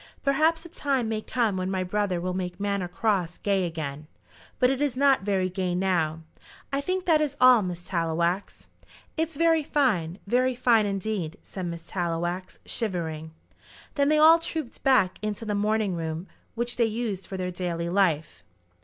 Perhaps a time may come when my brother will make Manor Cross gay again, but it is not very gay now. I think that is all, Miss Tallowax." "It's very fine; very fine indeed," said Miss Tallowax, shivering. Then they all trooped back into the morning room which they used for their daily life.